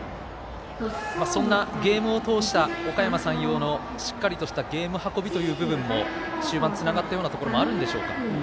そんなゲームを通したおかやま山陽のしっかりとしたゲーム運びという部分も終盤つながったようなところもあるんでしょうか。